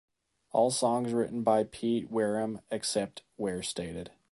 All songs written by Pete Wareham except where stated.